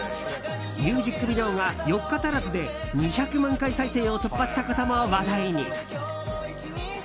ミュージックビデオが４日足らずで２００万回再生を突破したことも話題に。